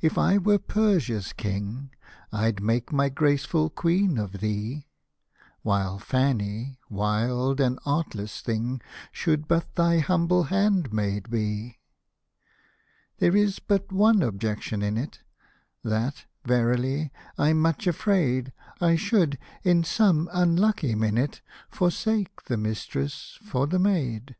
if I were Persia's king, I'd make my graceful queen of thee ; While Fanny, wild and artless thing. Should but thy humble handmaid be. There is but one objection in it — That, verily, I'm much afraid I should, in some unlucky minute, Forsake the mistress for the maid.